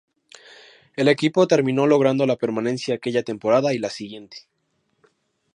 El equipo terminó logrando la permanencia aquella temporada y la siguiente.